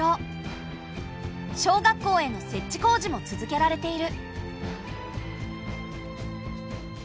小学校への設置工事も続けられている。